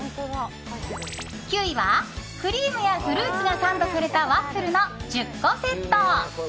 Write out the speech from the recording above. ９位は、クリームやフルーツがサンドされたワッフルの１０個セット。